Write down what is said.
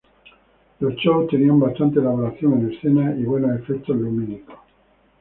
Los shows tenían bastante elaboración en escena y buenos efectos lumínicos.